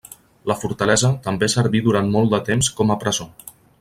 La fortalesa també serví durant molt de temps com a presó.